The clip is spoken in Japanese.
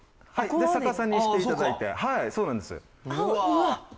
逆さにして頂いてはいそうなんです。